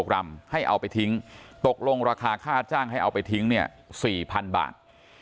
กรัมให้เอาไปทิ้งตกลงราคาค่าจ้างให้เอาไปทิ้งเนี่ย๔๐๐๐บาท